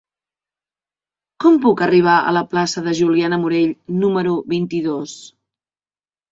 Com puc arribar a la plaça de Juliana Morell número vint-i-dos?